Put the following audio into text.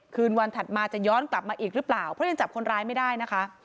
คืนวันถัดมาจะย้อนกลับมาอีกหรือเปล่าเพราะยังจับคนร้ายไม่ได้นะคะ